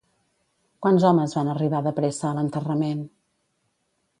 Quants homes van arribar de pressa a l'enterrament?